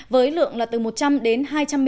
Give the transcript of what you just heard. với lượng là từ một trăm linh đến hai trăm linh m